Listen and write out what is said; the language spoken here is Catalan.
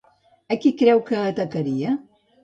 A qui creu que atacaria?